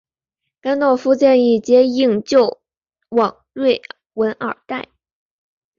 甘道夫建议接应救往瑞文戴尔。